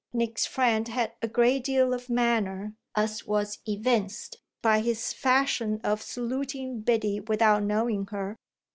Nick's friend had a great deal of manner, as was evinced by his fashion of saluting Biddy without knowing her.